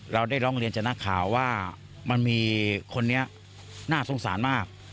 เราได้ร้องเรียนจากนักข่าวว่ามันมีคนนี้น่าสงสารมาก